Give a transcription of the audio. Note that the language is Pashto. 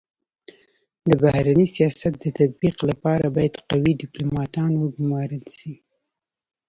د بهرني سیاست د تطبیق لپاره بايد قوي ډيپلوماتان و ګمارل سي.